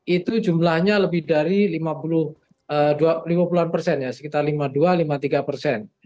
itu jumlahnya lebih dari lima puluh an persen ya sekitar lima puluh dua lima puluh tiga persen